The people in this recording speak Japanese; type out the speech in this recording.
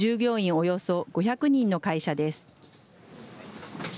およそ５００人の会社です。